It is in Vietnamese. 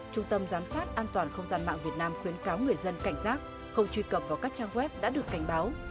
trung tâm giám sát an toàn không gian mạng việt nam khuyến cáo người dân cảnh giác không truy cập vào các trang web đã được cảnh báo